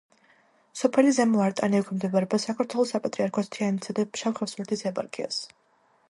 სოფელი ზემო არტანი ექვემდებარება საქართველოს საპატრიარქოს თიანეთისა და ფშავ-ხევსურეთის ეპარქიას.